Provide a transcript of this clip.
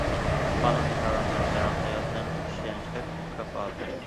قانۇن ئىدارە قىلىش تەرەققىياتنىڭ ئىشەنچلىك كاپالىتى.